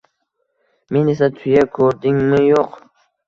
Men esa, tuya ko‘rdingmi yo‘q».